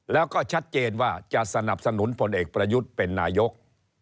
แล้วก็ชัดเจนว่าจะสนับสนุนพลเอกประยุทธ์เป็นนายก